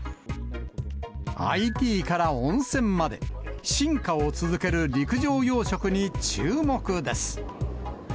ＩＴから温泉まで、進化を続ける陸上養殖に注目です。